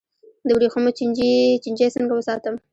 د وریښمو چینجی څنګه وساتم؟